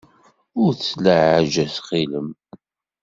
Ur tettlaɛaj ttxil-m.